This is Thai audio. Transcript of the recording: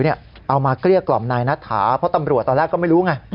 เอามาเกลี้ยกล่อมนายนัทถาเพราะตำรวจตอนแรกก็ไม่รู้ไง